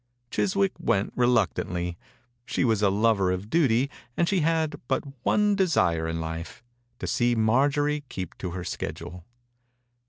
Chiswick went reluctantly. She was a lover of duty, and she had but one desire in life, to see Marjorie keep to her schedule.